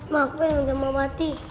mak aku yang udah mau mati